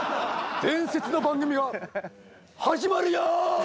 伝説の番組が始まるよ！！